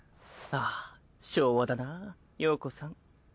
ああ昭和だなぁ羊子さん。